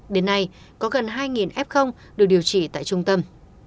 đến nay có gần hai f được điều trị tại trung tâm